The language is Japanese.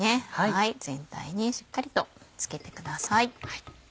全体にしっかりと付けてください。